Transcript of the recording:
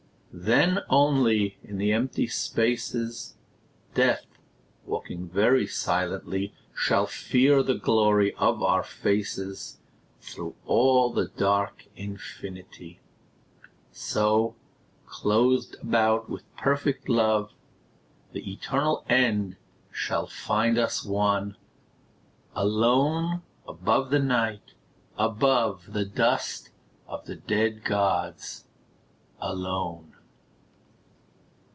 Then only in the empty spaces, Death, walking very silently, Shall fear the glory of our faces Through all the dark infinity. So, clothed about with perfect love, The eternal end shall find us one, Alone above the Night, above The dust of the dead gods, alone.